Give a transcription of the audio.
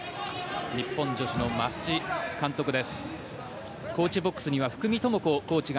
日本女子の増地監督です。